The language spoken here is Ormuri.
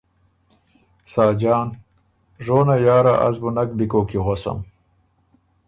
ساجان ـــ”ژونه یارا از بُو نک بی کوک کی غوَسم،